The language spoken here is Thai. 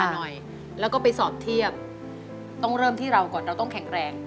หยุดครับหยุดครับหยุดครับ